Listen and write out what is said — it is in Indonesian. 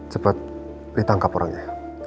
cepat ditangkap orangnya